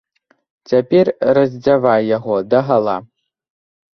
Цяпер раздзявай яго дагала.